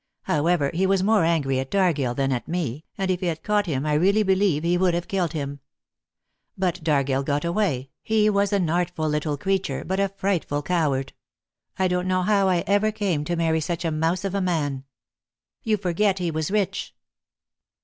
However, he was more angry at Dargill than at me, and if he had caught him I really believe he would have killed him. But Dargill got away; he was an artful little creature, but a frightful coward. I don't know how I ever came to marry such a mouse of a man." "You forget he was rich."